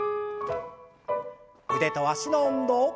腕と脚の運動。